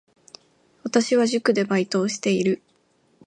私は塾でバイトをしている